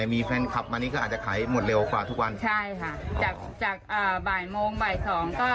มีกับเก่าเยอะใช่ไหมฮะ